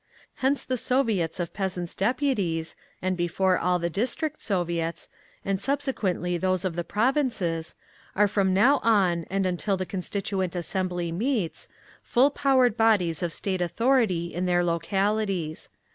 Hence the Soviets of Peasants' Deputies, and before all the District Soviets, and subsequently those of the Provinces, are from now on and until the Constituent Assembly meets, full powered bodies of State authority in their localities.